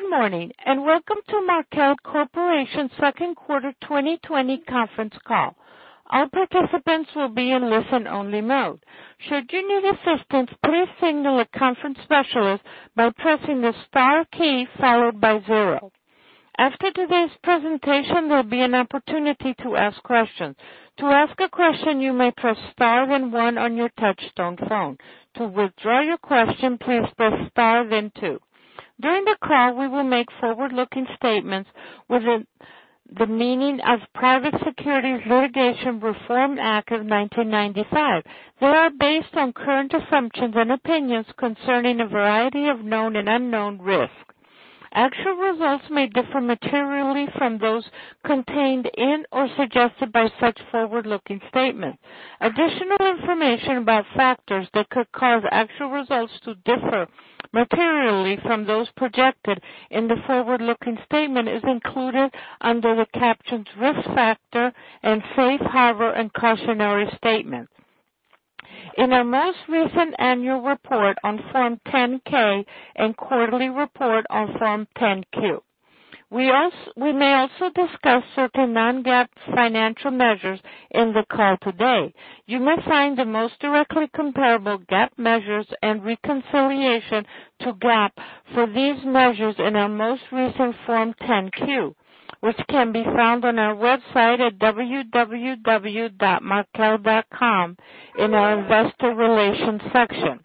Good morning, welcome to Markel Corporation's second quarter 2020 conference call. All participants will be in listen-only mode. Should you need assistance, please signal a conference specialist by pressing the star key followed by zero. After today's presentation, there will be an opportunity to ask questions. To ask a question, you may press star then one on your touchtone phone. To withdraw your question, please press star then two. During the call, we will make forward-looking statements within the meaning of Private Securities Litigation Reform Act of 1995. They are based on current assumptions and opinions concerning a variety of known and unknown risks. Actual results may differ materially from those contained in or suggested by such forward-looking statements. Additional information about factors that could cause actual results to differ materially from those projected in the forward-looking statement is included under the captions Risk Factor and Safe Harbor and Cautionary Statements in our most recent annual report on Form 10-K and quarterly report on Form 10-Q. We may also discuss certain non-GAAP financial measures in the call today. You may find the most directly comparable GAAP measures and reconciliation to GAAP for these measures in our most recent Form 10-Q, which can be found on our website at www.markel.com in our investor relations section.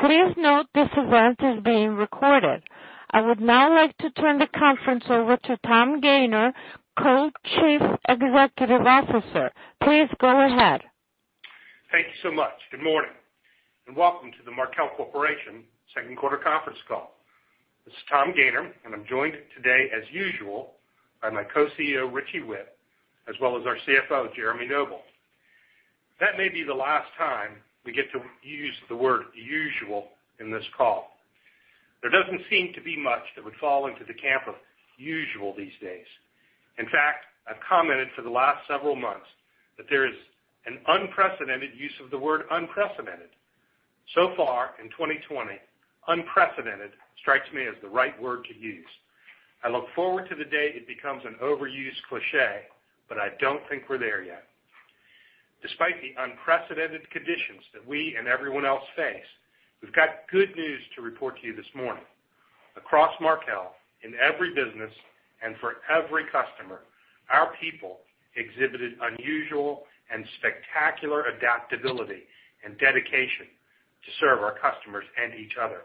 Please note this event is being recorded. I would now like to turn the conference over to Tom Gayner, Co-Chief Executive Officer. Please go ahead. Thank you so much. Good morning. Welcome to the Markel Corporation second quarter conference call. This is Tom Gayner, and I'm joined today, as usual, by my Co-CEO, Richie Whitt, as well as our CFO, Jeremy Noble. That may be the last time we get to use the word usual in this call. There doesn't seem to be much that would fall into the camp of usual these days. In fact, I've commented for the last several months that there is an unprecedented use of the word unprecedented. So far in 2020, unprecedented strikes me as the right word to use. I look forward to the day it becomes an overused cliché. I don't think we're there yet. Despite the unprecedented conditions that we and everyone else face, we've got good news to report to you this morning. Across Markel, in every business and for every customer, our people exhibited unusual and spectacular adaptability and dedication to serve our customers and each other.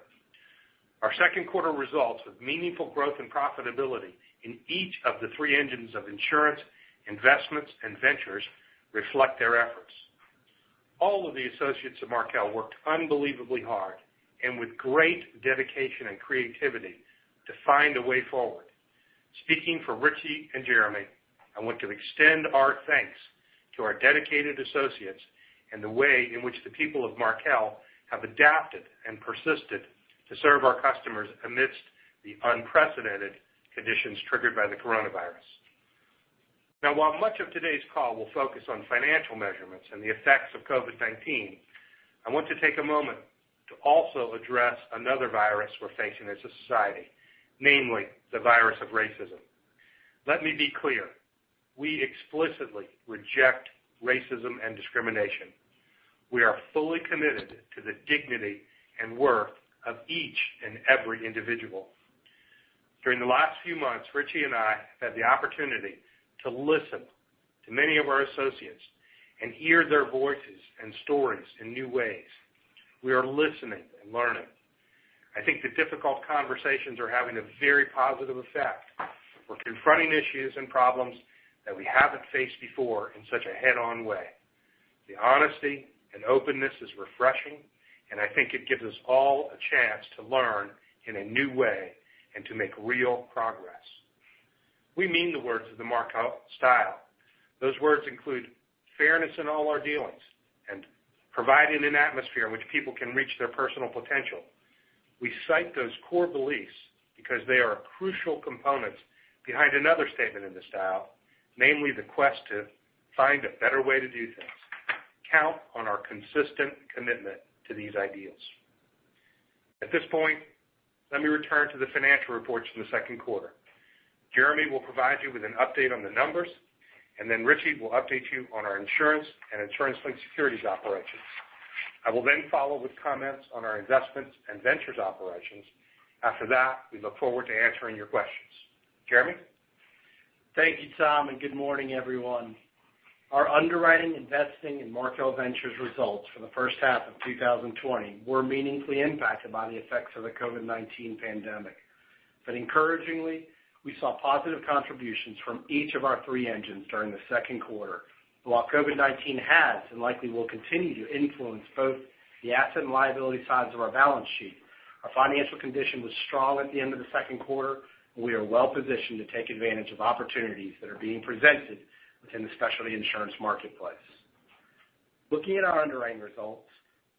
Our second quarter results of meaningful growth and profitability in each of the three engines of insurance, investments, and ventures reflect their efforts. All of the associates of Markel worked unbelievably hard and with great dedication and creativity to find a way forward. Speaking for Richie and Jeremy, I want to extend our thanks to our dedicated associates and the way in which the people of Markel have adapted and persisted to serve our customers amidst the unprecedented conditions triggered by the coronavirus. Now, while much of today's call will focus on financial measurements and the effects of COVID-19, I want to take a moment to also address another virus we're facing as a society, namely the virus of racism. Let me be clear: we explicitly reject racism and discrimination. We are fully committed to the dignity and worth of each and every individual. During the last few months, Richie and I have had the opportunity to listen to many of our associates and hear their voices and stories in new ways. We are listening and learning. I think the difficult conversations are having a very positive effect. We're confronting issues and problems that we haven't faced before in such a head-on way. The honesty and openness is refreshing, and I think it gives us all a chance to learn in a new way and to make real progress. We mean the words of the Markel Style. Those words include fairness in all our dealings and providing an atmosphere in which people can reach their personal potential. We cite those core beliefs because they are crucial components behind another statement in the style, namely the quest to find a better way to do things. Count on our consistent commitment to these ideals. At this point, let me return to the financial reports for the second quarter. Jeremy will provide you with an update on the numbers, and then Richie will update you on our insurance and insurance-linked securities operations. I will follow with comments on our investments and ventures operations. After that, we look forward to answering your questions. Jeremy? Thank you, Tom, and good morning, everyone. Our underwriting, investing, and Markel Ventures results for the first half of 2020 were meaningfully impacted by the effects of the COVID-19 pandemic. Encouragingly, we saw positive contributions from each of our three engines during the second quarter. While COVID-19 has and likely will continue to influence both the asset and liability sides of our balance sheet, our financial condition was strong at the end of the second quarter. We are well-positioned to take advantage of opportunities that are being presented within the specialty insurance marketplace. Looking at our underwriting results,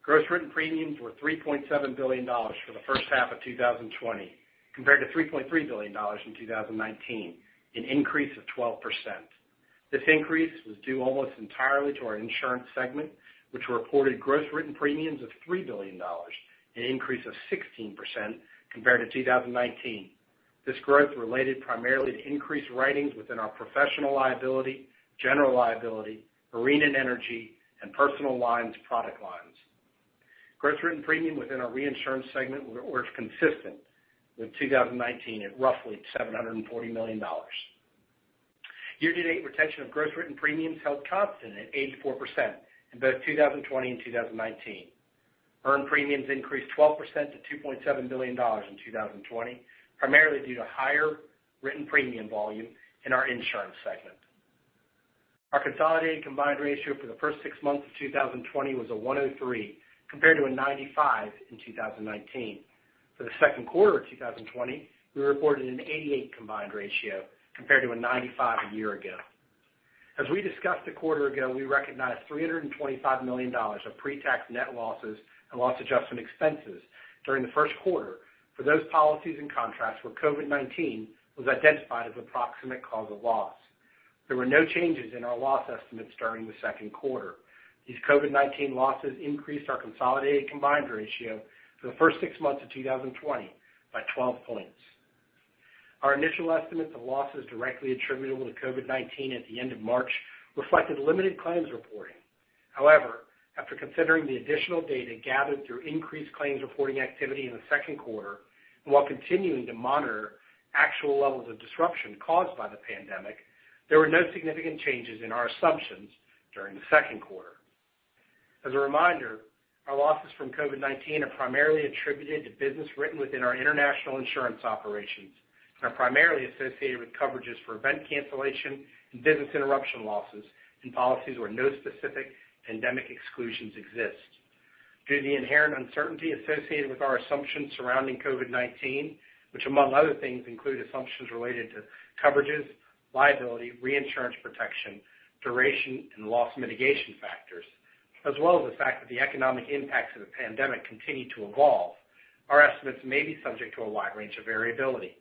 gross written premiums were $3.7 billion for the first half of 2020 compared to $3.3 billion in 2019, an increase of 12%. This increase was due almost entirely to our insurance segment, which reported gross written premiums of $3 billion, an increase of 16% compared to 2019. This growth related primarily to increased writings within our professional liability, general liability, marine and energy, and personal lines product lines. Gross written premium within our reinsurance segment was consistent with 2019 at roughly $740 million. Year-to-date retention of gross written premiums held constant at 84% in both 2020 and 2019. Earned premiums increased 12% to $2.7 billion in 2020, primarily due to higher written premium volume in our insurance segment. Our consolidated combined ratio for the first six months of 2020 was a 103%, compared to a 95% in 2019. For the second quarter of 2020, we reported an 88% combined ratio compared to a 95% a year ago. As we discussed a quarter ago, we recognized $325 million of pre-tax net losses and loss adjustment expenses during the first quarter for those policies and contracts where COVID-19 was identified as a proximate cause of loss. There were no changes in our loss estimates during the second quarter. These COVID-19 losses increased our consolidated combined ratio for the first six months of 2020 by 12 points. Our initial estimates of losses directly attributable to COVID-19 at the end of March reflected limited claims reporting. However, after considering the additional data gathered through increased claims reporting activity in the second quarter, while continuing to monitor actual levels of disruption caused by the pandemic, there were no significant changes in our assumptions during the second quarter. As a reminder, our losses from COVID-19 are primarily attributed to business written within our international insurance operations and are primarily associated with coverages for event cancellation and business interruption losses in policies where no specific pandemic exclusions exist. Due to the inherent uncertainty associated with our assumptions surrounding COVID-19, which among other things include assumptions related to coverages, liability, reinsurance protection, duration, and loss mitigation factors, as well as the fact that the economic impacts of the pandemic continue to evolve, our estimates may be subject to a wide range of variability.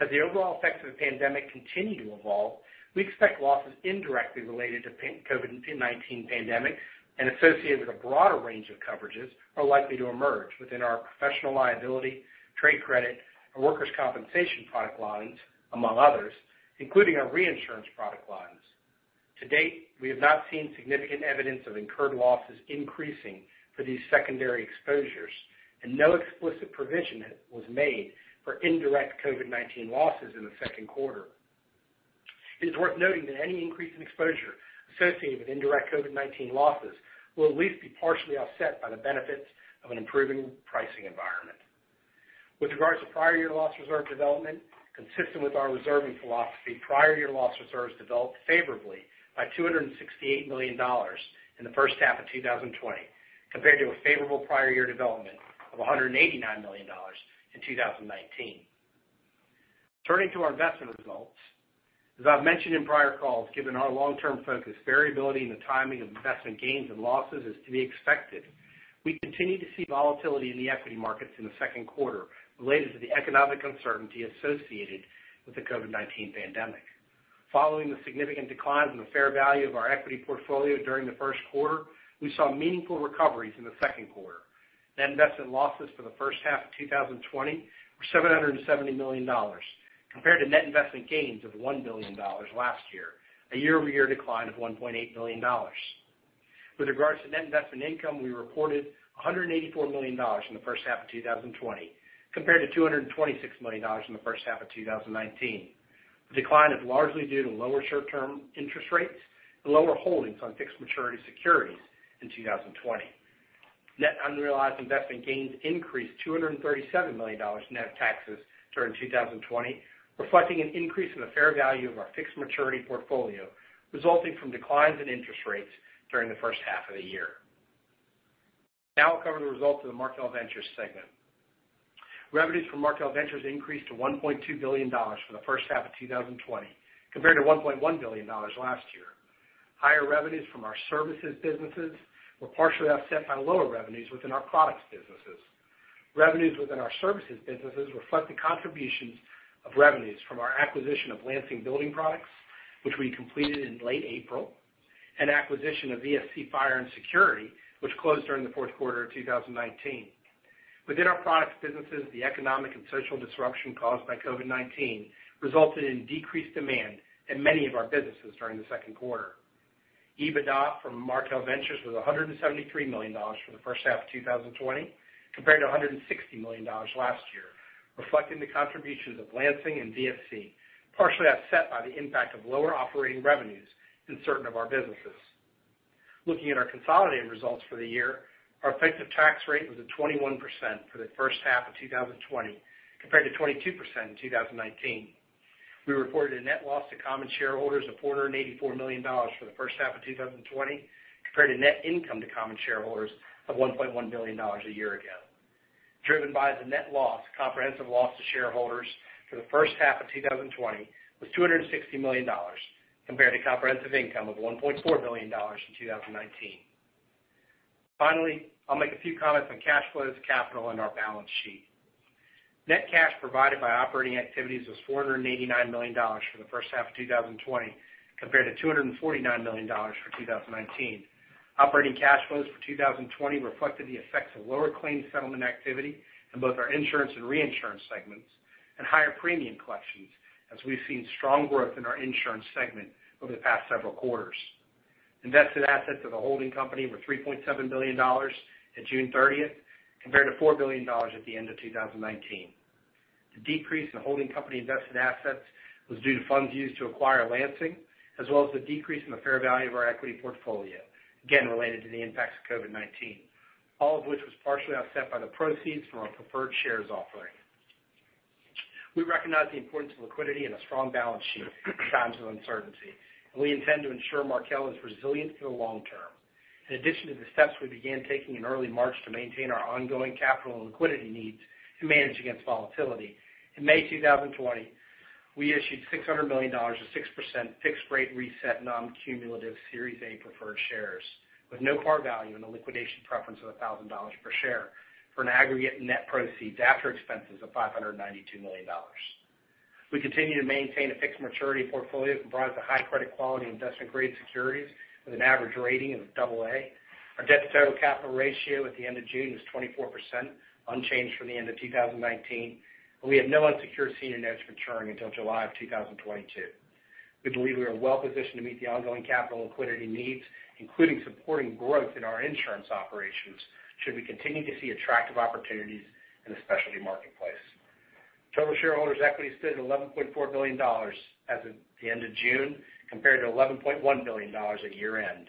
As the overall effects of the pandemic continue to evolve, we expect losses indirectly related to COVID-19 pandemic and associated with a broader range of coverages are likely to emerge within our professional liability, trade credit, and workers' compensation product lines, among others, including our reinsurance product lines. To date, we have not seen significant evidence of incurred losses increasing for these secondary exposures, and no explicit provision was made for indirect COVID-19 losses in the second quarter. It is worth noting that any increase in exposure associated with indirect COVID-19 losses will at least be partially offset by the benefits of an improving pricing environment. With regards to prior year loss reserve development, consistent with our reserving philosophy, prior year loss reserves developed favorably by $268 million in the first half of 2020, compared to a favorable prior year development of $189 million in 2019. Turning to our investment results. As I've mentioned in prior calls, given our long-term focus, variability in the timing of investment gains and losses is to be expected. We continued to see volatility in the equity markets in the second quarter related to the economic uncertainty associated with the COVID-19 pandemic. Following the significant declines in the fair value of our equity portfolio during the first quarter, we saw meaningful recoveries in the second quarter. Net investment losses for the first half of 2020 were $770 million, compared to net investment gains of $1 billion last year, a year-over-year decline of $1.8 billion. With regards to net investment income, we reported $184 million in the first half of 2020, compared to $226 million in the first half of 2019. The decline is largely due to lower short-term interest rates and lower holdings on fixed maturity securities in 2020. Net unrealized investment gains increased $237 million net of taxes during 2020, reflecting an increase in the fair value of our fixed maturity portfolio, resulting from declines in interest rates during the first half of the year. I'll cover the results of the Markel Ventures segment. Revenues for Markel Ventures increased to $1.2 billion for the first half of 2020, compared to $1.1 billion last year. Higher revenues from our services businesses were partially offset by lower revenues within our products businesses. Revenues within our services businesses reflect the contributions of revenues from our acquisition of Lansing Building Products, which we completed in late April, and acquisition of VSC Fire & Security, which closed during the fourth quarter of 2019. Within our products businesses, the economic and social disruption caused by COVID-19 resulted in decreased demand in many of our businesses during the second quarter. EBITDA from Markel Ventures was $173 million for the first half of 2020, compared to $160 million last year, reflecting the contributions of Lansing and VSC, partially offset by the impact of lower operating revenues in certain of our businesses. Looking at our consolidated results for the year, our effective tax rate was at 21% for the first half of 2020, compared to 22% in 2019. We reported a net loss to common shareholders of $484 million for the first half of 2020, compared to net income to common shareholders of $1.1 billion a year ago. Driven by the net loss, comprehensive loss to shareholders for the first half of 2020 was $260 million, compared to comprehensive income of $1.4 billion in 2019. Finally, I'll make a few comments on cash flows, capital, and our balance sheet. Net cash provided by operating activities was $489 million for the first half of 2020, compared to $249 million for 2019. Operating cash flows for 2020 reflected the effects of lower claims settlement activity in both our insurance and reinsurance segments, and higher premium collections as we've seen strong growth in our insurance segment over the past several quarters. Invested assets of the holding company were $3.7 billion at June 30th, compared to $4 billion at the end of 2019. The decrease in holding company invested assets was due to funds used to acquire Lansing, as well as the decrease in the fair value of our equity portfolio, again, related to the impacts of COVID-19. All of which was partially offset by the proceeds from our preferred shares offering. We recognize the importance of liquidity and a strong balance sheet in times of uncertainty, and we intend to ensure Markel is resilient for the long term. In addition to the steps we began taking in early March to maintain our ongoing capital and liquidity needs to manage against volatility, in May 2020, we issued $600 million of 6% fixed rate reset non-cumulative Series A preferred shares with no par value and a liquidation preference of $1,000 per share for an aggregate net proceeds after expenses of $592 million. We continue to maintain a fixed maturity portfolio comprised of high credit quality investment-grade securities with an average rating of double A. Our debt to total capital ratio at the end of June was 24%, unchanged from the end of 2019, and we have no unsecured senior notes maturing until July of 2022. We believe we are well-positioned to meet the ongoing capital and liquidity needs, including supporting growth in our insurance operations, should we continue to see attractive opportunities in the specialty marketplace. Total shareholders' equity stood at $11.4 billion as of the end of June, compared to $11.1 billion at year-end.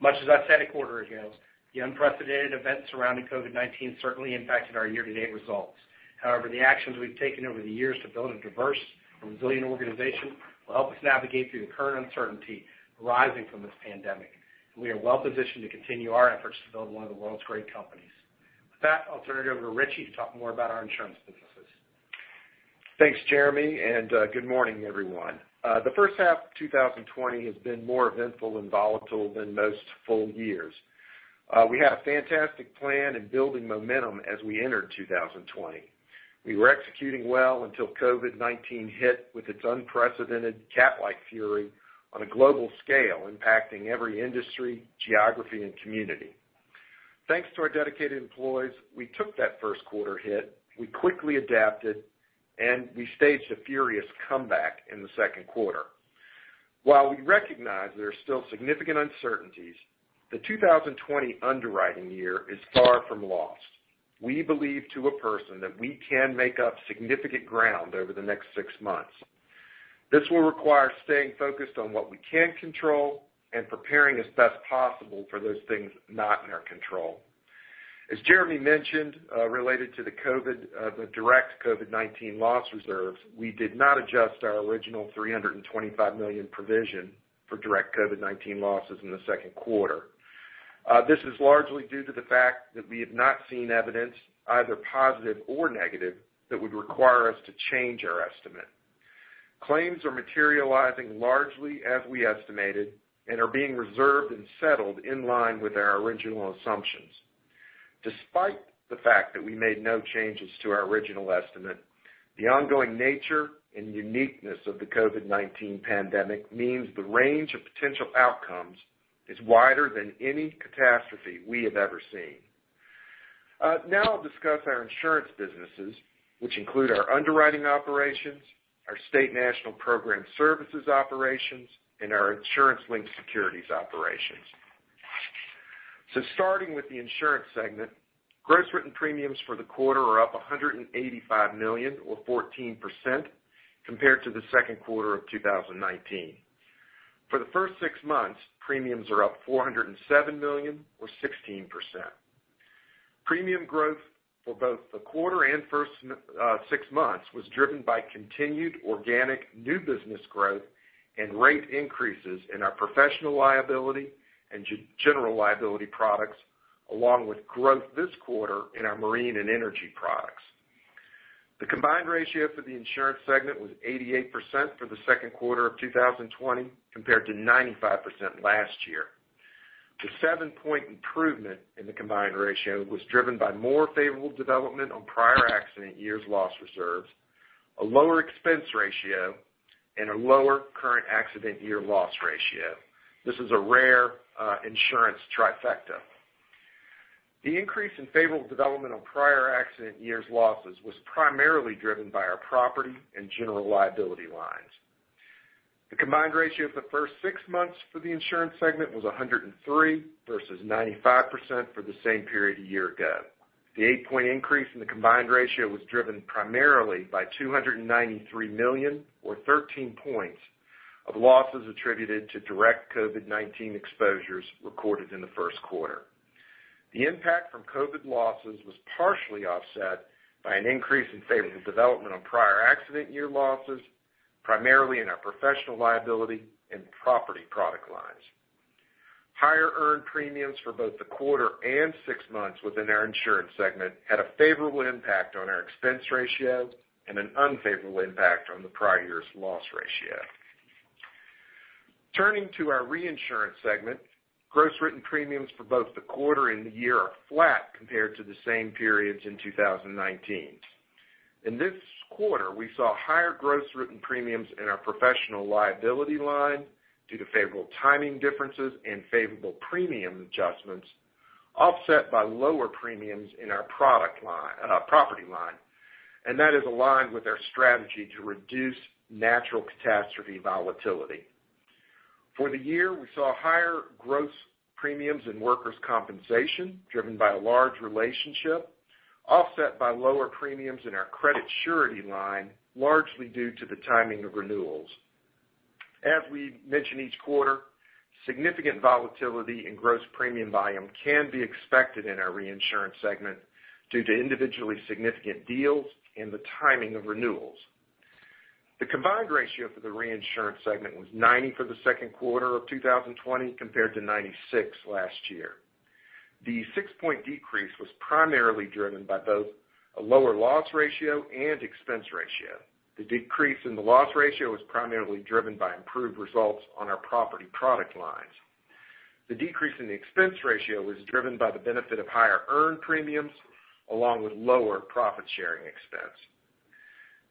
Much as I said a quarter ago, the unprecedented events surrounding COVID-19 certainly impacted our year-to-date results. However, the actions we've taken over the years to build a diverse and resilient organization will help us navigate through the current uncertainty arising from this pandemic, and we are well positioned to continue our efforts to build one of the world's great companies. With that, I'll turn it over to Richie to talk more about our insurance businesses. Thanks, Jeremy. Good morning, everyone. The first half of 2020 has been more eventful and volatile than most full years. We had a fantastic plan in building momentum as we entered 2020. We were executing well until COVID-19 hit with its unprecedented cat-like fury on a global scale, impacting every industry, geography, and community. Thanks to our dedicated employees, we took that first quarter hit, we quickly adapted, and we staged a furious comeback in the second quarter. While we recognize there are still significant uncertainties, the 2020 underwriting year is far from lost. We believe to a person that we can make up significant ground over the next six months. This will require staying focused on what we can control and preparing as best possible for those things not in our control. As Jeremy mentioned, related to the direct COVID-19 loss reserves, we did not adjust our original $325 million provision for direct COVID-19 losses in the second quarter. This is largely due to the fact that we have not seen evidence, either positive or negative, that would require us to change our estimate. Claims are materializing largely as we estimated and are being reserved and settled in line with our original assumptions. Despite the fact that we made no changes to our original estimate, the ongoing nature and uniqueness of the COVID-19 pandemic means the range of potential outcomes is wider than any catastrophe we have ever seen. Now I'll discuss our insurance businesses, which include our underwriting operations, our State National program services operations, and our insurance-linked securities operations. Starting with the insurance segment, gross written premiums for the quarter are up $185 million or 14% compared to the second quarter of 2019. For the first six months, premiums are up $407 million or 16%. Premium growth for both the quarter and first six months was driven by continued organic new business growth and rate increases in our professional liability and general liability products, along with growth this quarter in our marine and energy products. The combined ratio for the insurance segment was 88% for the second quarter of 2020, compared to 95% last year. The seven-point improvement in the combined ratio was driven by more favorable development on prior accident years loss reserves, a lower expense ratio, and a lower current accident year loss ratio. This is a rare insurance trifecta. The increase in favorable development on prior accident years' losses was primarily driven by our property and general liability lines. The combined ratio for the first six months for the insurance segment was 103% versus 95% for the same period a year ago. The eight-point increase in the combined ratio was driven primarily by $293 million or 13 points of losses attributed to direct COVID-19 exposures recorded in the first quarter. The impact from COVID losses was partially offset by an increase in favorable development on prior accident year losses, primarily in our professional liability and property product lines. Higher earned premiums for both the quarter and six months within our insurance segment had a favorable impact on our expense ratio and an unfavorable impact on the prior year's loss ratio. Turning to our reinsurance segment, gross written premiums for both the quarter and the year are flat compared to the same periods in 2019. In this quarter, we saw higher gross written premiums in our professional liability line due to favorable timing differences and favorable premium adjustments, offset by lower premiums in our property line. That is aligned with our strategy to reduce natural catastrophe volatility. For the year, we saw higher gross premiums in workers' compensation, driven by a large relationship, offset by lower premiums in our credit surety line, largely due to the timing of renewals. As we mention each quarter, significant volatility in gross premium volume can be expected in our reinsurance segment due to individually significant deals and the timing of renewals. The combined ratio for the reinsurance segment was 90% for the second quarter of 2020 compared to 96% last year. The six-point decrease was primarily driven by both a lower loss ratio and expense ratio. The decrease in the loss ratio was primarily driven by improved results on our property product lines. The decrease in the expense ratio was driven by the benefit of higher earned premiums along with lower profit-sharing expense.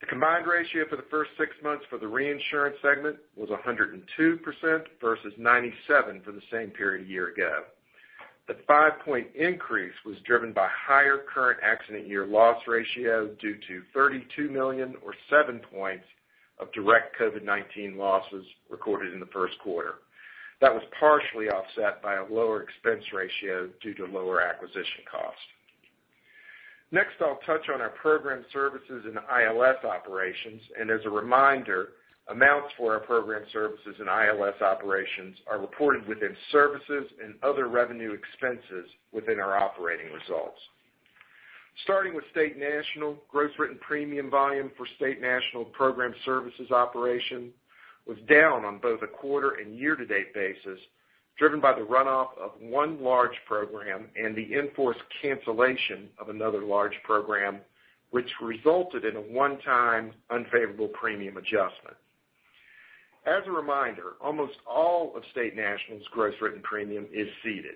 The combined ratio for the first six months for the reinsurance segment was 102% versus 97% for the same period a year ago. The five-point increase was driven by higher current accident year loss ratio due to $32 million or seven points of direct COVID-19 losses recorded in the first quarter. That was partially offset by a lower expense ratio due to lower acquisition cost. As a reminder, amounts for our program services and ILS operations are reported within services and other revenue expenses within our operating results. Starting with State National, gross written premium volume for State National program services operation was down on both a quarter and year-to-date basis, driven by the runoff of one large program and the in-force cancellation of another large program, which resulted in a one-time unfavorable premium adjustment. As a reminder, almost all of State National's gross written premium is ceded.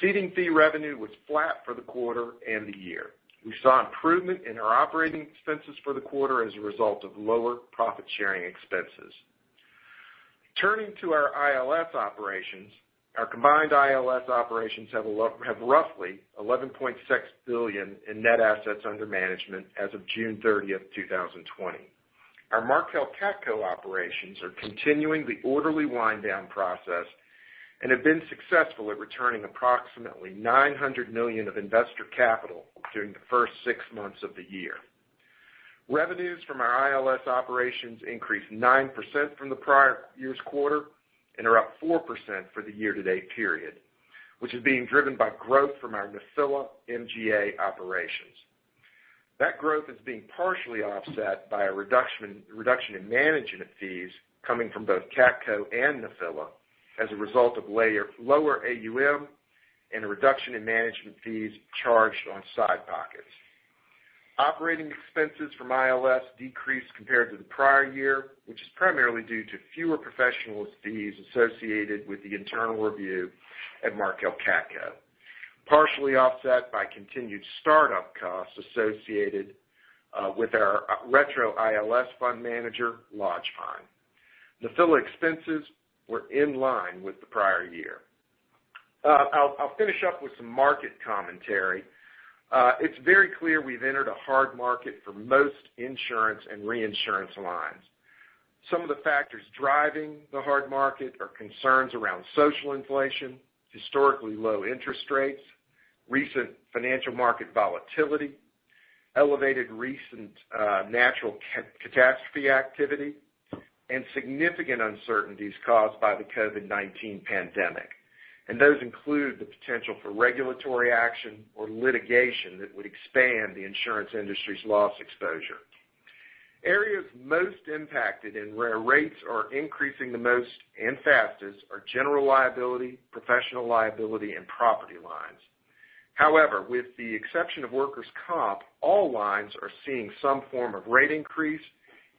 Ceding fee revenue was flat for the quarter and the year. We saw improvement in our operating expenses for the quarter as a result of lower profit-sharing expenses. Turning to our ILS operations, our combined ILS operations have roughly $11.6 billion in net assets under management as of June 30th, 2020. Our Markel CATCo operations are continuing the orderly wind-down process and have been successful at returning approximately $900 million of investor capital during the first six months of the year. Revenues from our ILS operations increased 9% from the prior year's quarter and are up 4% for the year-to-date period, which is being driven by growth from our Nephila MGA operations. That growth is being partially offset by a reduction in management fees coming from both CATCo and Nephila as a result of lower AUM and a reduction in management fees charged on side pockets. Operating expenses from ILS decreased compared to the prior year, which is primarily due to fewer professional fees associated with the internal review at Markel CATCo, partially offset by continued startup costs associated with our retro ILS fund manager, Lodgepine. Nephila expenses were in line with the prior year. I'll finish up with some market commentary. It's very clear we've entered a hard market for most insurance and reinsurance lines. Some of the factors driving the hard market are concerns around social inflation, historically low interest rates, recent financial market volatility, elevated recent natural catastrophe activity, and significant uncertainties caused by the COVID-19 pandemic. Those include the potential for regulatory action or litigation that would expand the insurance industry's loss exposure. Areas most impacted and where rates are increasing the most and fastest are general liability, professional liability, and property lines. However, with the exception of workers' comp, all lines are seeing some form of rate increase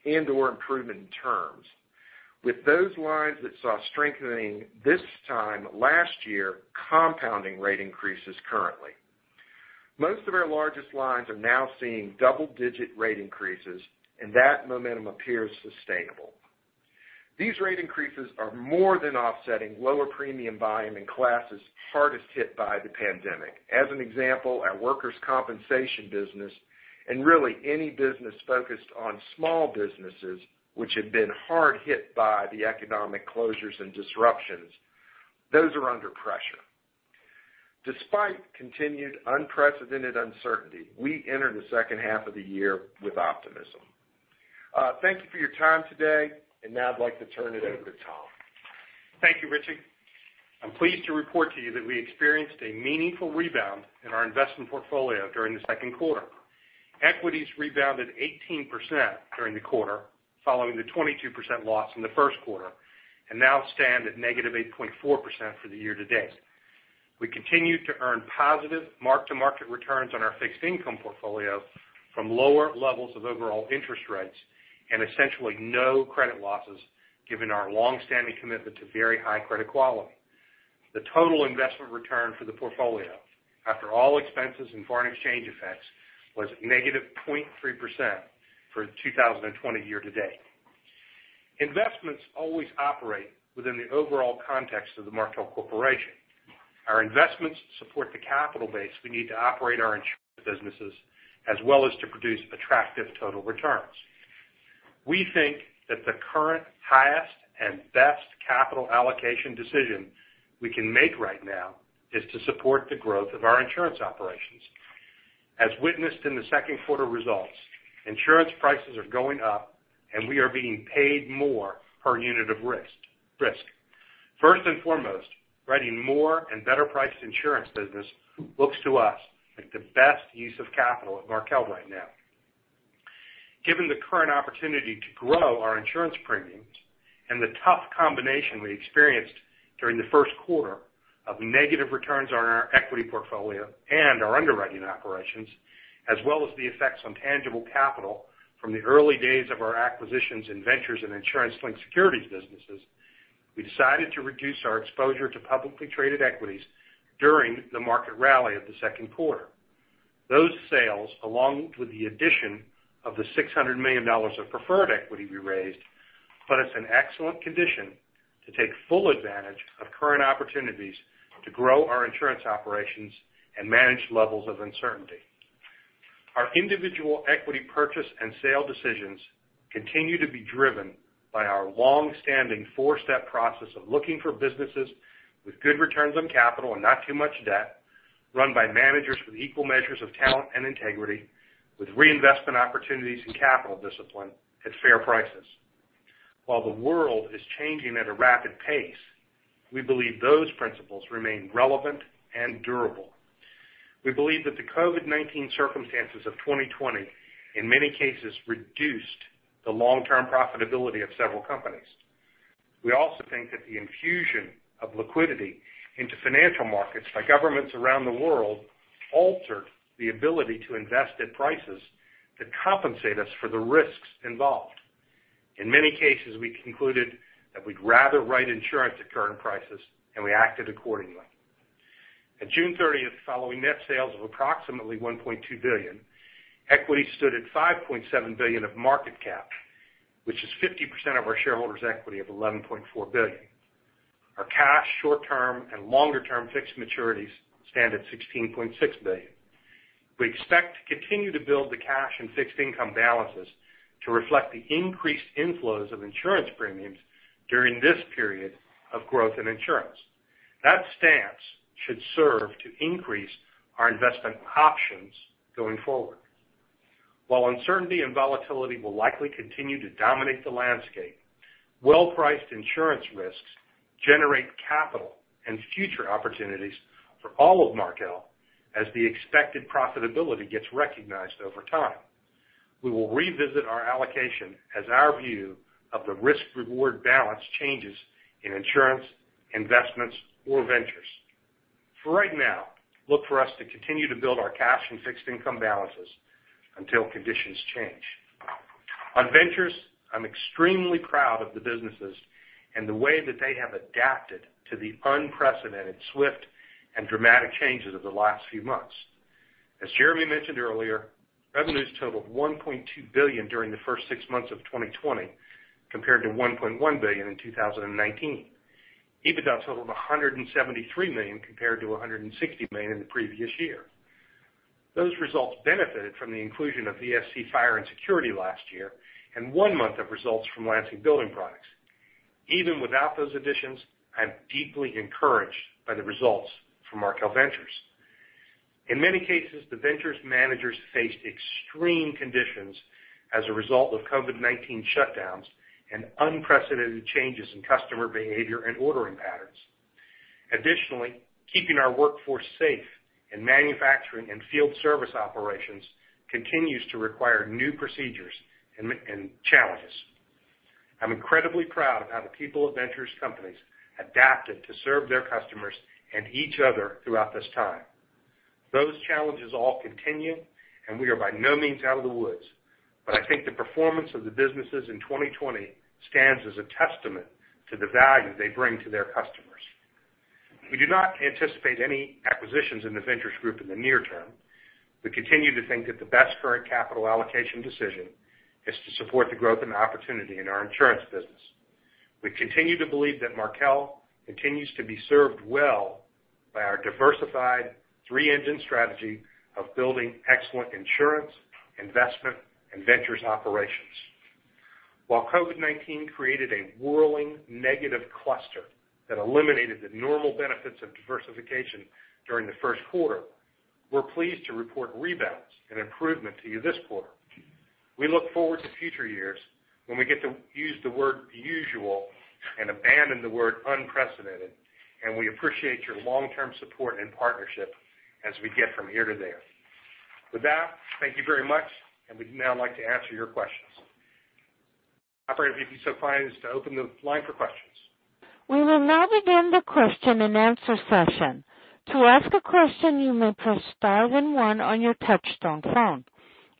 and/or improvement in terms. With those lines that saw strengthening this time last year, compounding rate increases currently. Most of our largest lines are now seeing double-digit rate increases, and that momentum appears sustainable. These rate increases are more than offsetting lower premium volume in classes hardest hit by the pandemic. As an example, our workers' compensation business and really any business focused on small businesses, which have been hard hit by the economic closures and disruptions, those are under pressure. Despite continued unprecedented uncertainty, we enter the second half of the year with optimism. Thank you for your time today, and now I'd like to turn it over to Tom. Thank you, Richie. I'm pleased to report to you that we experienced a meaningful rebound in our investment portfolio during the second quarter. Equities rebounded 18% during the quarter, following the 22% loss in the first quarter, and now stand at -8.4% for the year to date. We continue to earn positive mark-to-market returns on our fixed income portfolio from lower levels of overall interest rates and essentially no credit losses, given our longstanding commitment to very high credit quality. The total investment return for the portfolio, after all expenses and foreign exchange effects, was -0.3% for 2020 year to date. Investments always operate within the overall context of the Markel Corporation. Our investments support the capital base we need to operate our insurance businesses as well as to produce attractive total returns. We think that the current highest and best capital allocation decision we can make right now is to support the growth of our insurance operations. As witnessed in the second quarter results, insurance prices are going up, and we are being paid more per unit of risk. First and foremost, writing more and better-priced insurance business looks to us like the best use of capital at Markel right now. Given the current opportunity to grow our insurance premiums and the tough combination we experienced during the first quarter of negative returns on our equity portfolio and our underwriting operations, as well as the effects on tangible capital from the early days of our acquisitions and ventures in insurance-linked securities businesses, we decided to reduce our exposure to publicly traded equities during the market rally of the second quarter. Those sales, along with the addition of the $600 million of preferred equity we raised, put us in excellent condition to take full advantage of current opportunities to grow our insurance operations and manage levels of uncertainty. Our individual equity purchase and sale decisions continue to be driven by our longstanding four-step process of looking for businesses with good returns on capital and not too much debt, run by managers with equal measures of talent and integrity, with reinvestment opportunities and capital discipline at fair prices. While the world is changing at a rapid pace, we believe those principles remain relevant and durable. We believe that the COVID-19 circumstances of 2020, in many cases, reduced the long-term profitability of several companies. We also think that the infusion of liquidity into financial markets by governments around the world altered the ability to invest at prices to compensate us for the risks involved. In many cases, we concluded that we'd rather write insurance at current prices, and we acted accordingly. At June 30th, following net sales of approximately $1.2 billion, equity stood at $5.7 billion of market cap, which is 50% of our shareholders' equity of $11.4 billion. Our cash short-term and longer-term fixed maturities stand at $16.6 billion. We expect to continue to build the cash and fixed income balances to reflect the increased inflows of insurance premiums during this period of growth in insurance. That stance should serve to increase our investment options going forward. While uncertainty and volatility will likely continue to dominate the landscape, well-priced insurance risks generate capital and future opportunities for all of Markel as the expected profitability gets recognized over time. We will revisit our allocation as our view of the risk-reward balance changes in insurance, investments, or ventures. For right now, look for us to continue to build our cash and fixed income balances until conditions change. On ventures, I'm extremely proud of the businesses and the way that they have adapted to the unprecedented, swift, and dramatic changes of the last few months. As Jeremy mentioned earlier, revenues totaled $1.2 billion during the first six months of 2020, compared to $1.1 billion in 2019. EBITDA totaled $173 million compared to $160 million in the previous year. Those results benefited from the inclusion of VSC Fire & Security last year and one month of results from Lansing Building Products. Even without those additions, I'm deeply encouraged by the results from Markel Ventures. In many cases, the Ventures managers faced extreme conditions as a result of COVID-19 shutdowns and unprecedented changes in customer behavior and ordering patterns. Additionally, keeping our workforce safe in manufacturing and field service operations continues to require new procedures and challenges. I'm incredibly proud of how the people of Ventures companies adapted to serve their customers and each other throughout this time. Those challenges all continue, we are by no means out of the woods, I think the performance of the businesses in 2020 stands as a testament to the value they bring to their customers. We do not anticipate any acquisitions in the Ventures group in the near term. We continue to think that the best current capital allocation decision is to support the growth and opportunity in our insurance business. We continue to believe that Markel continues to be served well by our diversified three-engine strategy of building excellent insurance, investment, and ventures operations. While COVID-19 created a whirling negative cluster that eliminated the normal benefits of diversification during the first quarter, we're pleased to report rebounds and improvement to you this quarter. We look forward to future years when we get to use the word usual and abandon the word unprecedented, and we appreciate your long-term support and partnership as we get from here to there. With that, thank you very much, and we'd now like to answer your questions. Operator, if you'd be so kind as to open the line for questions. We will now begin the question and answer session. To ask a question, you may press star then one on your touch-tone phone.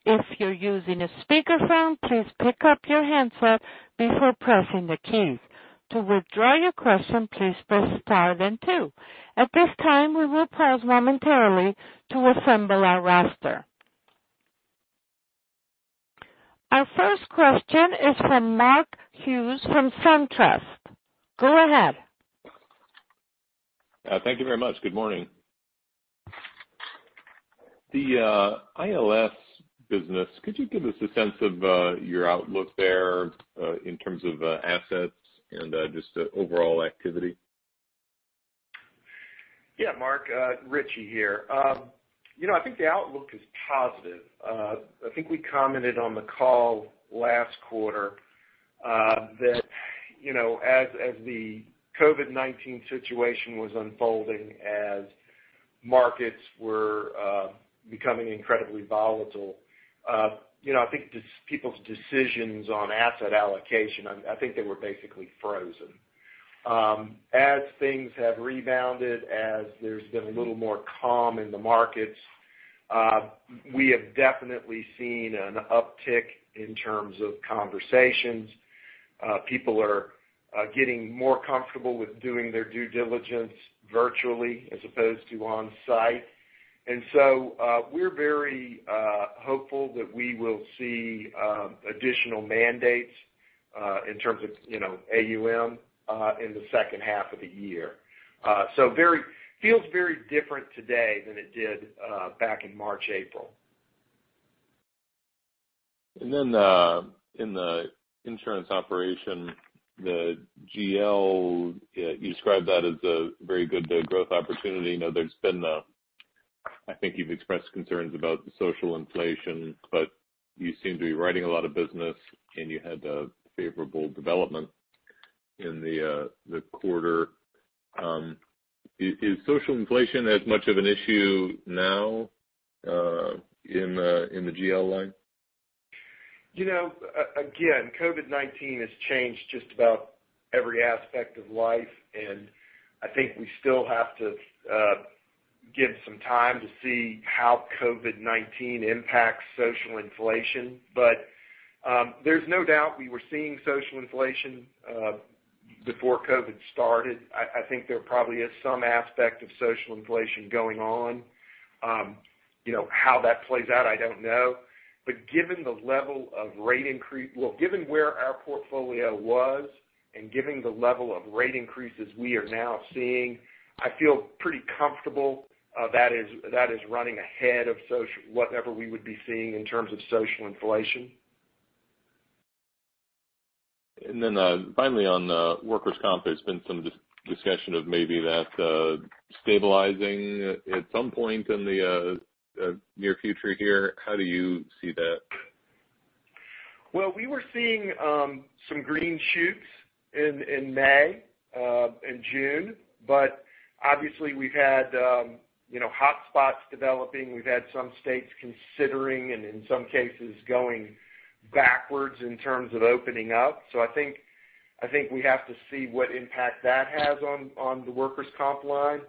If you're using a speakerphone, please pick up your handset before pressing the keys. To withdraw your question, please press star then two. At this time, we will pause momentarily to assemble our roster. Our first question is from Mark Hughes from SunTrust. Go ahead. Thank you very much. Good morning. The ILS business, could you give us a sense of your outlook there, in terms of assets and just overall activity? Yeah, Mark. Richie here. I think the outlook is positive. I think we commented on the call last quarter that as the COVID-19 situation was unfolding, as markets were becoming incredibly volatile, I think people's decisions on asset allocation, I think they were basically frozen. As things have rebounded, as there's been a little more calm in the markets, we have definitely seen an uptick in terms of conversations. People are getting more comfortable with doing their due diligence virtually as opposed to on-site. We're very hopeful that we will see additional mandates, in terms of AUM, in the second half of the year. Feels very different today than it did back in March, April. In the insurance operation, the GL, you described that as a very good growth opportunity. I think you've expressed concerns about the social inflation, but you seem to be writing a lot of business and you had a favorable development in the quarter. Is social inflation as much of an issue now, in the GL line? COVID-19 has changed just about every aspect of life, and I think we still have to give some time to see how COVID-19 impacts social inflation. There's no doubt we were seeing social inflation before COVID started. I think there probably is some aspect of social inflation going on. How that plays out, I don't know. Given where our portfolio was and given the level of rate increases we are now seeing, I feel pretty comfortable that is running ahead of whatever we would be seeing in terms of social inflation. Finally on workers' comp, there's been some discussion of maybe that stabilizing at some point in the near future here. How do you see that? Well, we were seeing some green shoots in May and June, but obviously we've had hot spots developing. We've had some states considering and in some cases, going backwards in terms of opening up. I think we have to see what impact that has on the workers' comp line.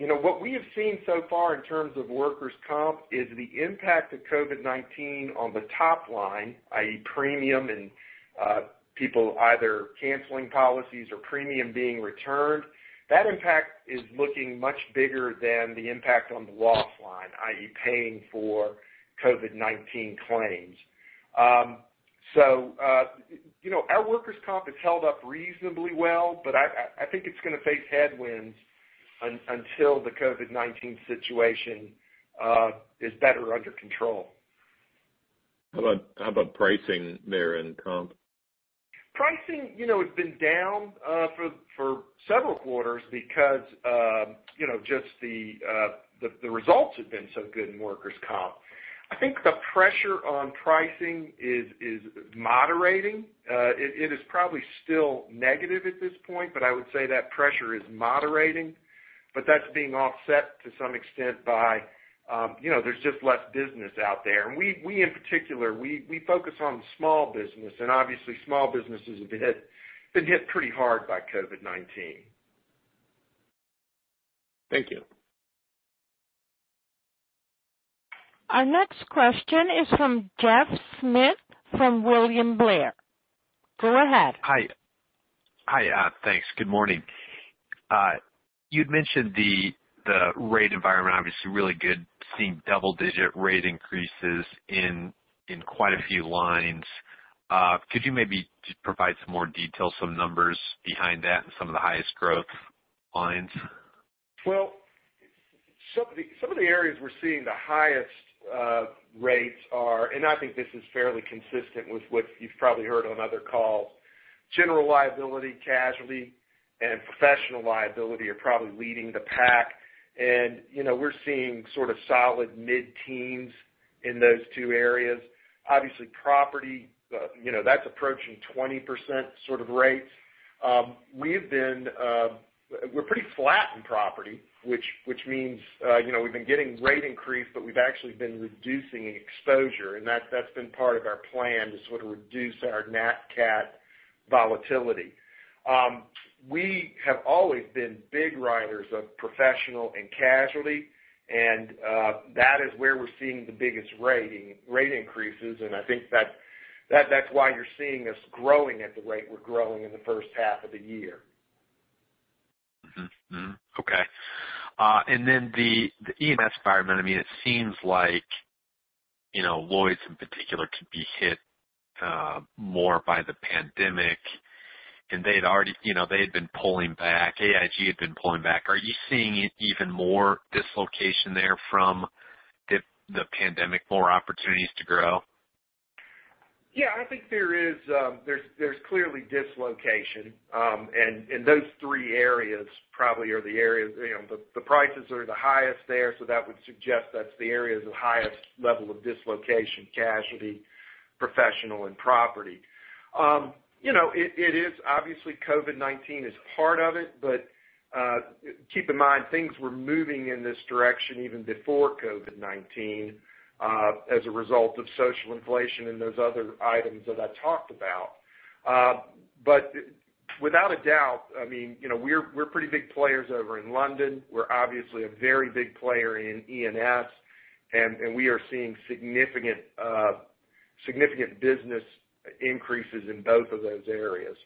What we have seen so far in terms of workers' comp is the impact of COVID-19 on the top line, i.e. premium and people either canceling policies or premium being returned. That impact is looking much bigger than the impact on the loss line, i.e. paying for COVID-19 claims. Our workers' comp has held up reasonably well, but I think it's going to face headwinds until the COVID-19 situation is better under control. How about pricing there in comp? Pricing has been down for several quarters because just the results have been so good in workers' comp. I think the pressure on pricing is moderating. It is probably still negative at this point, but I would say that pressure is moderating. That's being offset to some extent by, there's just less business out there. We, in particular, we focus on small business, and obviously small businesses have been hit pretty hard by COVID-19. Thank you. Our next question is from Jeff Schmitt from William Blair. Go ahead. Hi. Thanks. Good morning. You'd mentioned the rate environment, obviously really good, seeing double-digit rate increases in quite a few lines. Could you maybe just provide some more detail, some numbers behind that and some of the highest growth lines? Well, some of the areas we're seeing the highest rates are, and I think this is fairly consistent with what you've probably heard on other calls. General liability, casualty, and professional liability are probably leading the pack. We're seeing sort of solid mid-teens in those two areas. Obviously property, that's approaching 20% sort of rates. We're pretty flat in property, which means we've been getting rate increase, but we've actually been reducing exposure, and that's been part of our plan to sort of reduce our nat cat volatility. We have always been big riders of professional and casualty, and that is where we're seeing the biggest rate increases, and I think that's why you're seeing us growing at the rate we're growing in the first half of the year. Okay. The E&S environment, it seems like Lloyd's in particular could be hit more by the pandemic. They had been pulling back, AIG had been pulling back. Are you seeing even more dislocation there from the pandemic, more opportunities to grow? Yeah, I think there's clearly dislocation. Those three areas probably are the areas, the prices are the highest there, so that would suggest that's the areas of highest level of dislocation, casualty, professional, and property. Obviously COVID-19 is part of it, but keep in mind, things were moving in this direction even before COVID-19, as a result of social inflation and those other items that I talked about. Without a doubt, we're pretty big players over in London. We're obviously a very big player in E&S, and we are seeing significant business increases in both of those areas.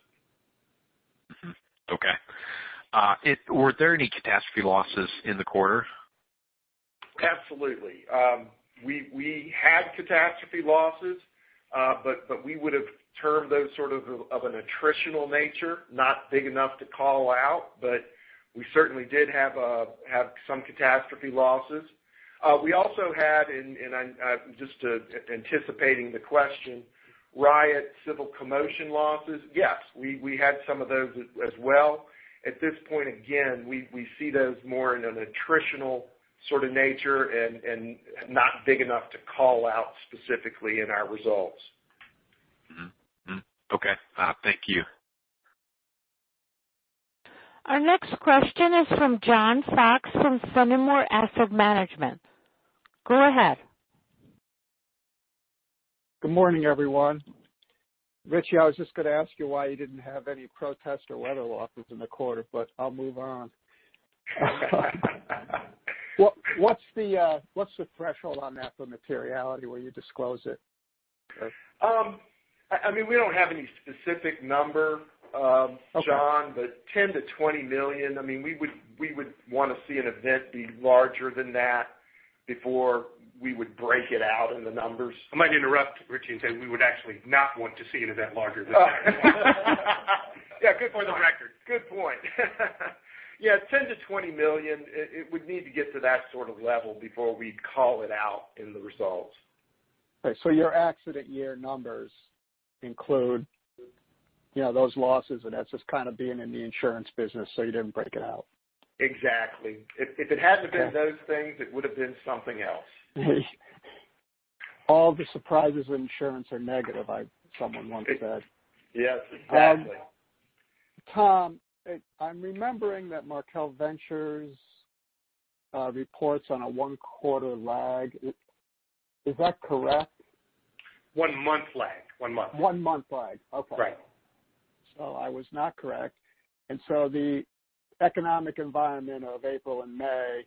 Okay. Were there any catastrophe losses in the quarter? Absolutely. We had catastrophe losses, but we would've termed those sort of an attritional nature, not big enough to call out, but we certainly did have some catastrophe losses. We also had, and just anticipating the question, riot, civil commotion losses. Yes, we had some of those as well. At this point, again, we see those more in an attritional sort of nature and not big enough to call out specifically in our results. Mm-hmm. Okay. Thank you. Our next question is from John Fox from Fenimore Asset Management. Go ahead. Good morning, everyone. Richie, I was just going to ask you why you didn't have any protest or weather losses in the quarter, but I'll move on. What's the threshold on that for materiality where you disclose it? We don't have any specific number, John. Okay $10 million-$20 million, we would want to see an event be larger than that before we would break it out in the numbers. I might interrupt Richie and say we would actually not want to see an event larger than that. Yeah, good point. For the record. Good point. Yeah, $10 million-$20 million, it would need to get to that sort of level before we'd call it out in the results. Your accident year numbers include those losses, and that's just kind of being in the insurance business, so you didn't break it out. Exactly. If it hadn't been those things, it would've been something else. All the surprises in insurance are negative, someone once said. Yes, exactly. Tom, I'm remembering that Markel Ventures reports on a one-quarter lag. Is that correct? One month lag. One month lag. Okay. Right. I was not correct. The economic environment of April and May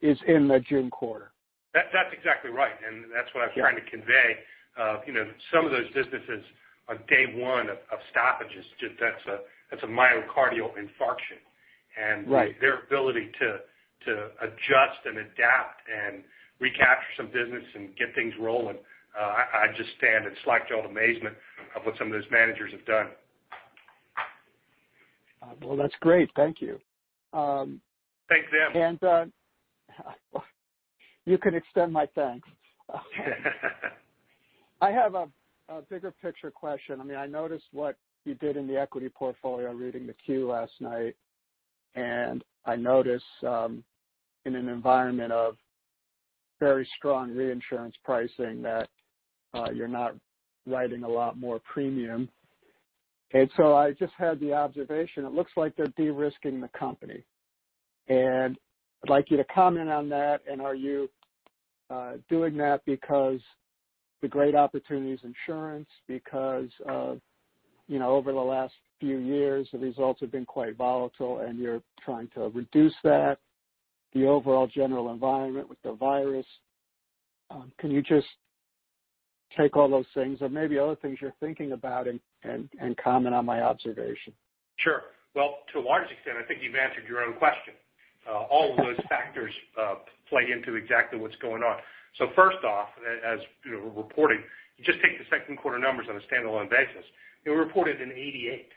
is in the June quarter. That's exactly right, and that's what I was trying to convey. Some of those businesses on day one of stoppages, that's a myocardial infarction. Right. Their ability to adjust and adapt and recapture some business and get things rolling, I just stand in slack-jawed amazement of what some of those managers have done. Well, that's great. Thank you. Thank them. You can extend my thanks. I have a bigger picture question. I noticed what you did in the equity portfolio reading the Form 10-Q last night. I notice in an environment of very strong reinsurance pricing that you're not writing a lot more premium. I just had the observation, it looks like they're de-risking the company. I'd like you to comment on that. Are you doing that because the great opportunities insurance, because over the last few years, the results have been quite volatile and you're trying to reduce that, the overall general environment with COVID-19? Can you just take all those things or maybe other things you're thinking about and comment on my observation? Sure. Well, to a large extent, I think you've answered your own question. All of those factors play into exactly what's going on. First off, as reporting, you just take the second quarter numbers on a standalone basis. It reported an 88.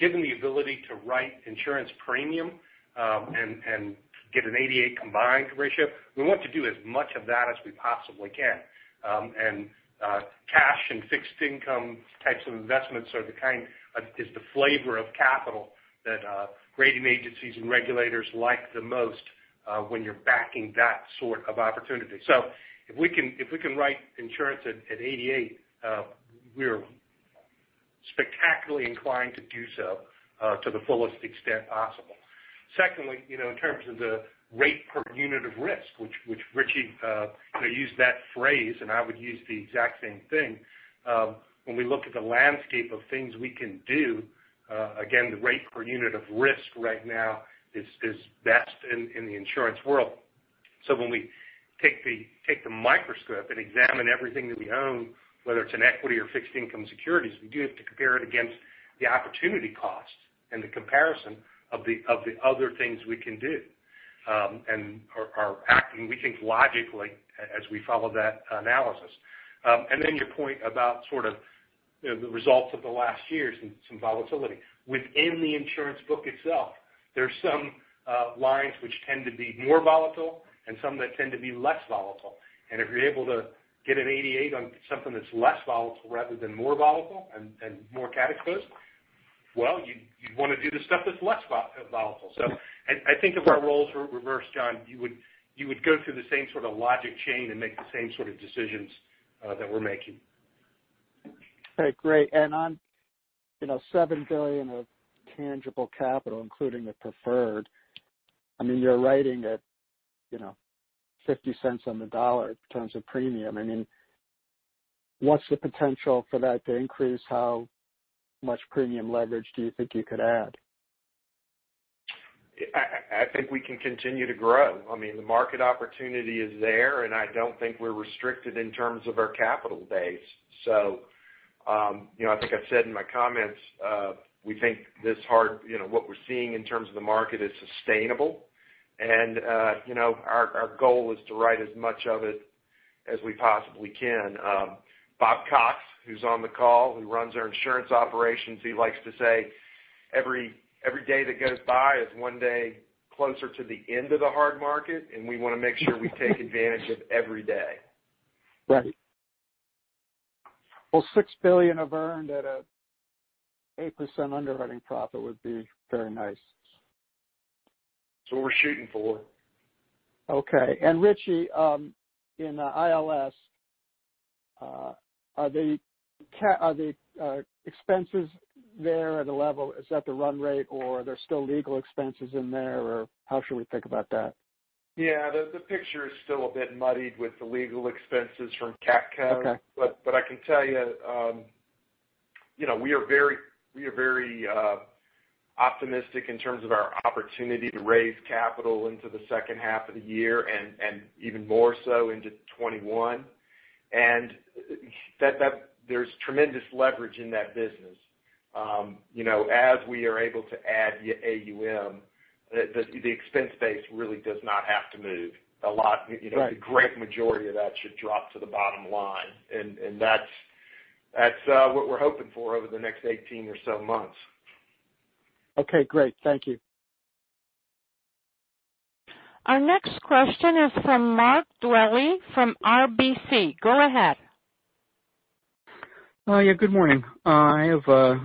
Given the ability to write insurance premium, and get an 88 combined ratio, we want to do as much of that as we possibly can. Cash and fixed income types of investments is the flavor of capital that rating agencies and regulators like the most when you're backing that sort of opportunity. If we can write insurance at 88, we're Actually inclined to do so to the fullest extent possible. Secondly, in terms of the rate per unit of risk, which Richie used that phrase, and I would use the exact same thing. When we look at the landscape of things we can do, again, the rate per unit of risk right now is best in the insurance world. When we take the microscope and examine everything that we own, whether it's in equity or fixed income securities, we do have to compare it against the opportunity cost and the comparison of the other things we can do, and are acting, we think, logically as we follow that analysis. Your point about sort of the results of the last year, some volatility. Within the insurance book itself, there's some lines which tend to be more volatile and some that tend to be less volatile. If you're able to get an 88 on something that's less volatile rather than more volatile and more cat exposed, well, you'd want to do the stuff that's less volatile. I think if our roles were reversed, John, you would go through the same sort of logic chain and make the same sort of decisions that we're making. Okay, great. On $7 billion of tangible capital, including the preferred, you're writing at $0.50 on the dollar in terms of premium. What's the potential for that to increase? How much premium leverage do you think you could add? I think we can continue to grow. The market opportunity is there, and I don't think we're restricted in terms of our capital base. I think I've said in my comments, we think what we're seeing in terms of the market is sustainable. Our goal is to write as much of it as we possibly can. Bob Cox, who's on the call, who runs our insurance operations, he likes to say, every day that goes by is one day closer to the end of the hard market, and we want to make sure we take advantage of every day. Right. Well, $6 billion of earned at an 8% underwriting profit would be very nice. It's what we're shooting for. Okay. Richie, in ILS, are the expenses there at a level, is that the run rate or are there still legal expenses in there, or how should we think about that? Yeah. The picture is still a bit muddied with the legal expenses from CATCo. Okay. I can tell you, we are very optimistic in terms of our opportunity to raise capital into the second half of the year and even more so into 2021, and there's tremendous leverage in that business. As we are able to add AUM, the expense base really does not have to move a lot. Right. The great majority of that should drop to the bottom line, and that's what we're hoping for over the next 18 or so months. Okay, great. Thank you. Our next question is from Mark Dwelle from RBC. Go ahead. Yeah, good morning. I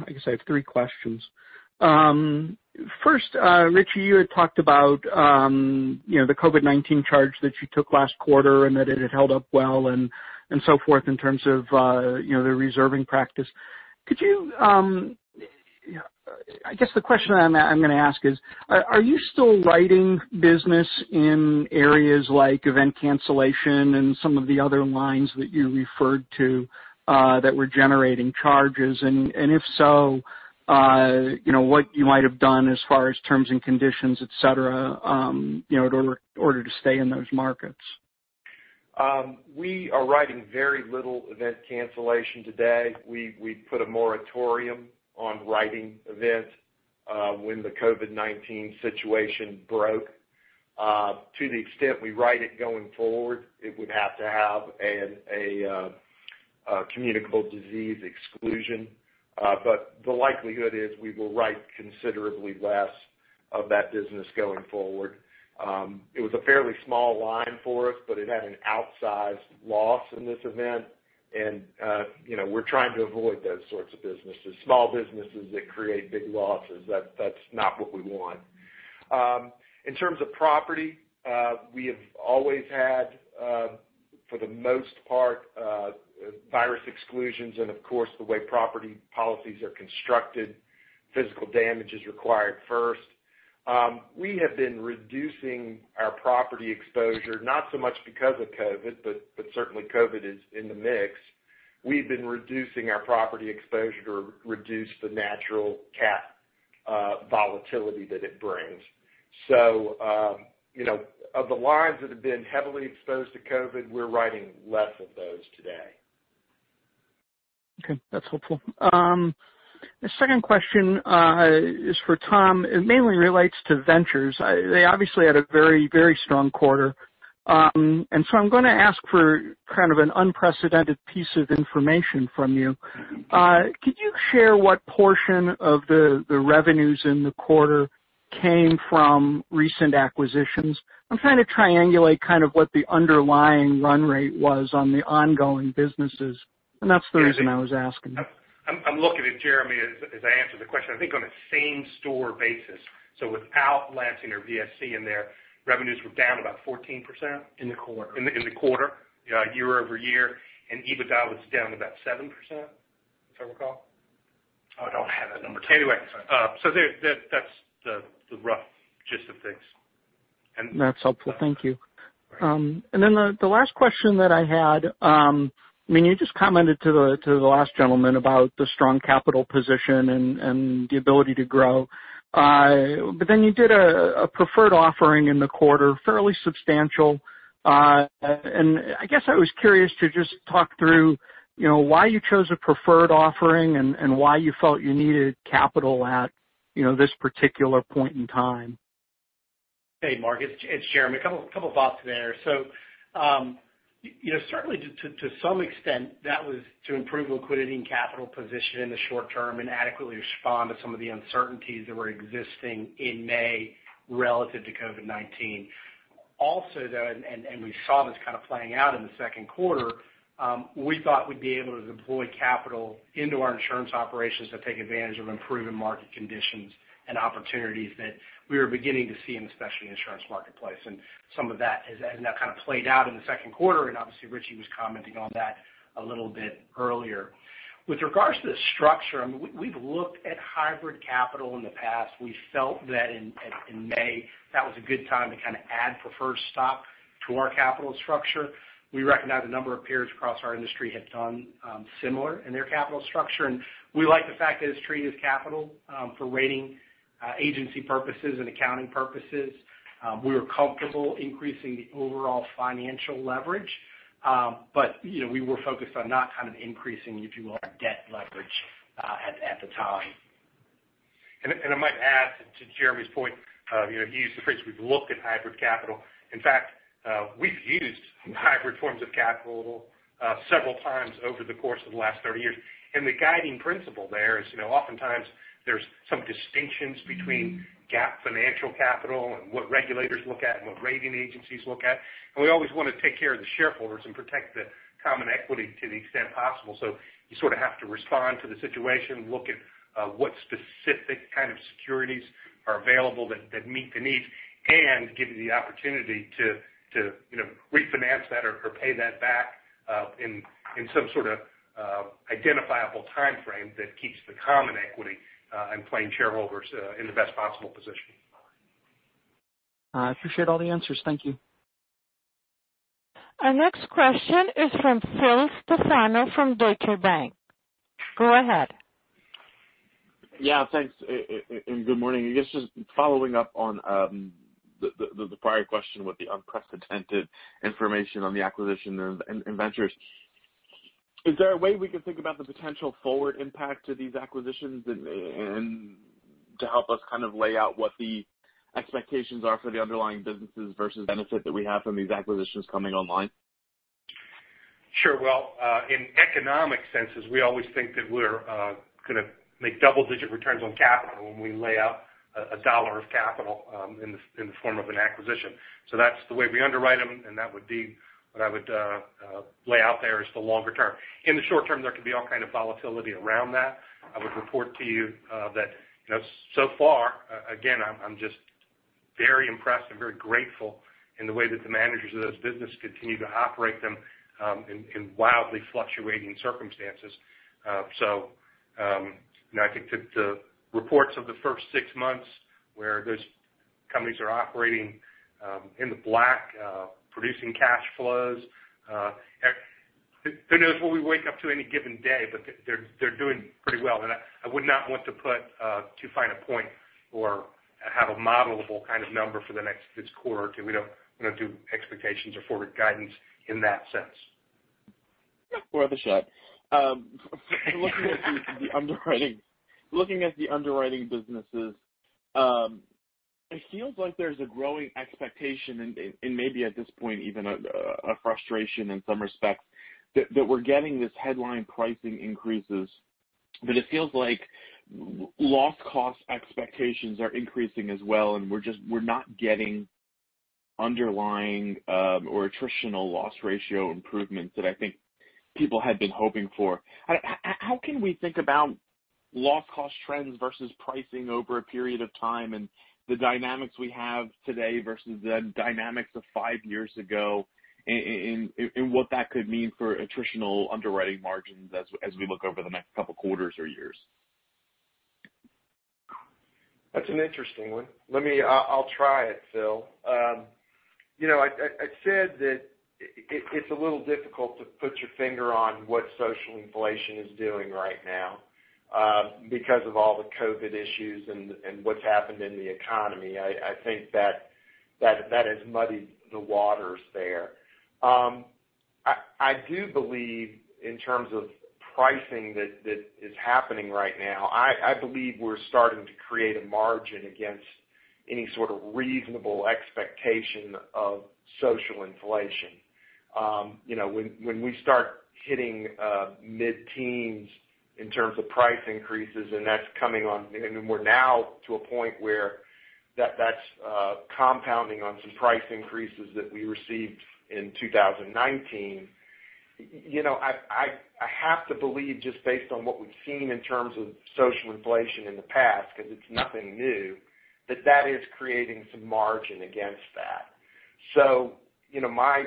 guess I have three questions. First, Richie, you had talked about the COVID-19 charge that you took last quarter and that it had held up well and so forth in terms of the reserving practice. I guess the question I'm going to ask is, are you still writing business in areas like event cancellation and some of the other lines that you referred to that were generating charges? If so, what you might have done as far as terms and conditions, et cetera in order to stay in those markets? We are writing very little event cancellation today. We put a moratorium on writing events when the COVID-19 situation broke. To the extent we write it going forward, it would have to have a communicable disease exclusion. The likelihood is we will write considerably less of that business going forward. It was a fairly small line for us, but it had an outsized loss in this event. We're trying to avoid those sorts of businesses, small businesses that create big losses. That's not what we want. In terms of property, we have always had for the most part, virus exclusions, and of course, the way property policies are constructed, physical damage is required first. We have been reducing our property exposure, not so much because of COVID, but certainly COVID is in the mix. We've been reducing our property exposure to reduce the nat cat volatility that it brings. Of the lines that have been heavily exposed to COVID, we're writing less of those today. Okay, that's helpful. The second question is for Tom. It mainly relates to Markel Ventures. They obviously had a very strong quarter. I'm going to ask for kind of an unprecedented piece of information from you. Could you share what portion of the revenues in the quarter came from recent acquisitions? I'm trying to triangulate kind of what the underlying run rate was on the ongoing businesses, and that's the reason I was asking. I'm looking at Jeremy as I answer the question. I think on a same store basis, so without Lansing or VSC in there, revenues were down about 14%. In the quarter. In the quarter, year-over-year, EBITDA was down about 7%, if I recall. Anyway, that's the rough gist of things. That's helpful. Thank you. All right. The last question that I had, you just commented to the last gentleman about the strong capital position and the ability to grow. You did a preferred offering in the quarter, fairly substantial. I guess I was curious to just talk through why you chose a preferred offering and why you felt you needed capital at this particular point in time. Hey, Mark, it's Jeremy. A couple of thoughts there. Certainly to some extent, that was to improve liquidity and capital position in the short term and adequately respond to some of the uncertainties that were existing in May relative to COVID-19. Also, though, we saw this kind of playing out in the second quarter, we thought we'd be able to deploy capital into our insurance operations to take advantage of improving market conditions and opportunities that we were beginning to see in the specialty insurance marketplace. Some of that has now kind of played out in the second quarter, and obviously Richie was commenting on that a little bit earlier. With regards to the structure, we've looked at hybrid capital in the past. We felt that in May, that was a good time to kind of add preferred stock to our capital structure. We recognize a number of peers across our industry have done similar in their capital structure, and we like the fact that it's treated as capital for rating agency purposes and accounting purposes. We were comfortable increasing the overall financial leverage. We were focused on not kind of increasing, if you will, our debt leverage at the time. I might add to Jeremy's point, he used the phrase, we've looked at hybrid capital. In fact, we've used hybrid forms of capital several times over the course of the last 30 years. The guiding principle there is oftentimes there's some distinctions between GAAP financial capital, and what regulators look at and what rating agencies look at. We always want to take care of the shareholders and protect the common equity to the extent possible. You sort of have to respond to the situation, look at what specific kind of securities are available that meet the needs and give you the opportunity to refinance that or pay that back in some sort of identifiable timeframe that keeps the common equity and plain shareholders in the best possible position. I appreciate all the answers. Thank you. Our next question is from Phil Stefano from Deutsche Bank. Go ahead. Good morning. I guess just following up on the prior question with the unprecedented information on the acquisition and Ventures. Is there a way we can think about the potential forward impact to these acquisitions and to help us kind of lay out what the expectations are for the underlying businesses versus benefit that we have from these acquisitions coming online? Sure. Well, in economic senses, we always think that we're going to make double-digit returns on capital when we lay out $1 of capital in the form of an acquisition. That's the way we underwrite them, and that would be what I would lay out there as the longer term. In the short term, there can be all kind of volatility around that. I would report to you that so far, again, I'm just very impressed and very grateful in the way that the managers of those businesses continue to operate them in wildly fluctuating circumstances. I think the reports of the first six months where those companies are operating in the black, producing cash flows. Who knows what we wake up to any given day, they're doing pretty well. I would not want to put too fine a point or have a modelable kind of number for the next quarter or two. We don't do expectations or forward guidance in that sense. Worth a shot. Looking at the underwriting businesses, it feels like there's a growing expectation and maybe at this point, even a frustration in some respects that we're getting this headline pricing increases. It feels like loss cost expectations are increasing as well, and we're not getting underlying or attritional loss ratio improvements that I think people had been hoping for. How can we think about loss cost trends versus pricing over a period of time and the dynamics we have today versus the dynamics of five years ago, and what that could mean for attritional underwriting margins as we look over the next couple of quarters or years? That's an interesting one. I'll try it, Phil. I said that it's a little difficult to put your finger on what social inflation is doing right now because of all the COVID issues and what's happened in the economy. I think that has muddied the waters there. I do believe in terms of pricing that is happening right now, I believe we're starting to create a margin against any sort of reasonable expectation of social inflation. When we start hitting mid-teens in terms of price increases, and we're now to a point where that's compounding on some price increases that we received in 2019. I have to believe, just based on what we've seen in terms of social inflation in the past, because it's nothing new, that that is creating some margin against that.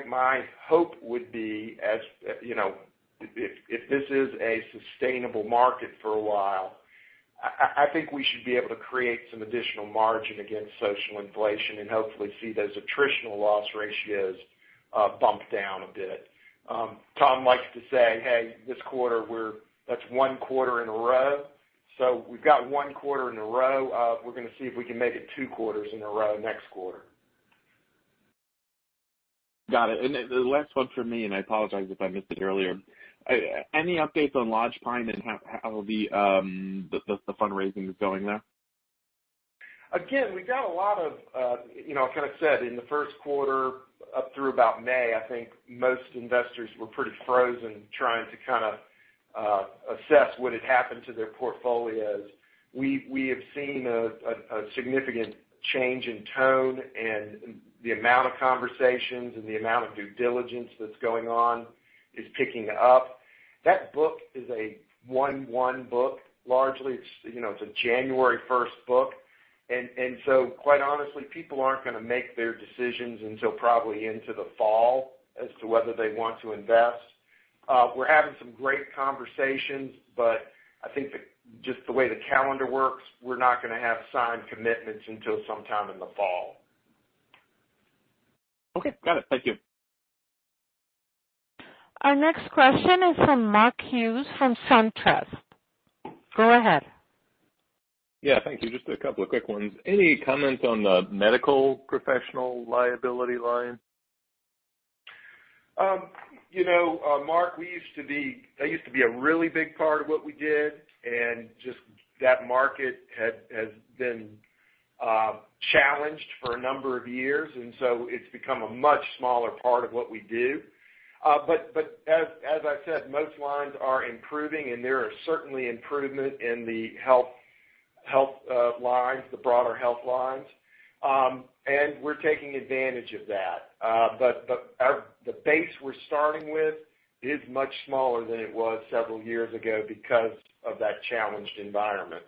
My hope would be, if this is a sustainable market for a while, I think we should be able to create some additional margin against social inflation and hopefully see those attritional loss ratios bump down a bit. Tom likes to say, "Hey, this quarter, that's one quarter in a row." We've got one quarter in a row. We're going to see if we can make it two quarters in a row next quarter. Got it. The last one from me, and I apologize if I missed it earlier. Any updates on Lodgepine and how the fundraising is going there? We got a lot of I kind of said in the first quarter up through about May, I think most investors were pretty frozen trying to kind of assess what had happened to their portfolios. We have seen a significant change in tone and the amount of conversations and the amount of due diligence that's going on is picking up. That book is a one-one book. Largely, it's a January 1st book. Quite honestly, people aren't going to make their decisions until probably into the fall as to whether they want to invest. We're having some great conversations, but I think just the way the calendar works, we're not going to have signed commitments until sometime in the fall. Okay. Got it. Thank you. Our next question is from Mark Hughes from SunTrust. Go ahead. Yeah, thank you. Just a couple of quick ones. Any comment on the medical professional liability line? Mark, that used to be a really big part of what we did. Just that market has been challenged for a number of years. It's become a much smaller part of what we do. As I said, most lines are improving, and there are certainly improvement in the broader health lines, and we're taking advantage of that. The base we're starting with is much smaller than it was several years ago because of that challenged environment.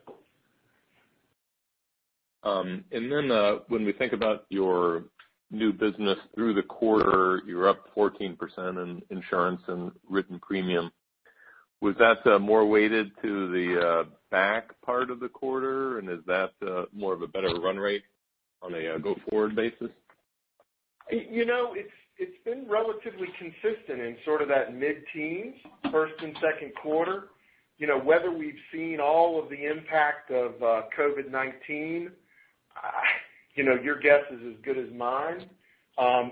When we think about your new business through the quarter, you're up 14% in insurance and written premium. Was that more weighted to the back part of the quarter? Is that more of a better run rate on a go-forward basis? It's been relatively consistent in sort of that mid-teens, first and second quarter. Whether we've seen all of the impact of COVID-19, your guess is as good as mine.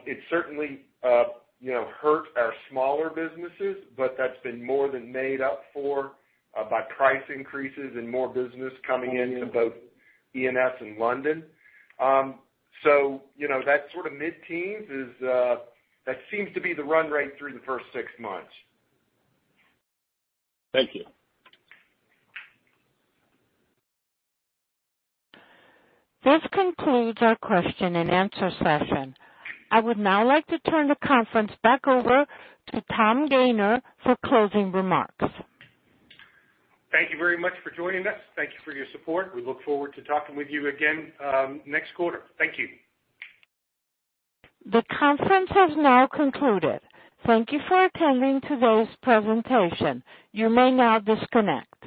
It certainly hurt our smaller businesses, but that's been more than made up for by price increases and more business coming into both E&S and London. That sort of mid-teens, that seems to be the run rate through the first six months. Thank you. This concludes our question and answer session. I would now like to turn the conference back over to Tom Gayner for closing remarks. Thank you very much for joining us. Thank you for your support. We look forward to talking with you again next quarter. Thank you. The conference has now concluded. Thank you for attending today's presentation. You may now disconnect.